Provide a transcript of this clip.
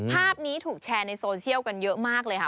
ภาพนี้ถูกแชร์ในโซเชียลกันเยอะมากเลยค่ะ